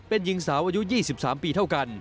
เป็นหญิงสาวอายุ๒๓ปีเท่ากัน